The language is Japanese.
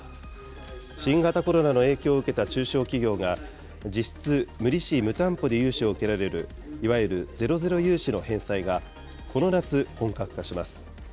新型コロナの影響を受けた中小企業が実質、無利子・無担保で融資が受けられるいわゆるゼロゼロ融資の返済が、この夏、本格化します。